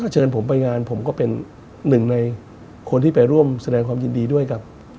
เชิญผมไปงานผมก็เป็นหนึ่งในคนที่ไปร่วมแสดงความยินดีด้วยกับ